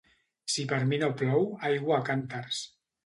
Si per mi no plou, aigua a cànters.